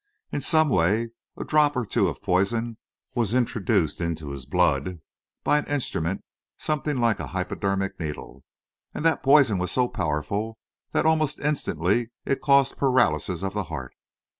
In some way, a drop or two of poison was introduced into his blood by an instrument something like a hypodermic needle; and that poison was so powerful that almost instantly it caused paralysis of the heart.